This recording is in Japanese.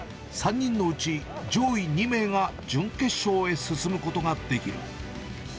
３人のうち、上位２名が準決勝へ進むことができる。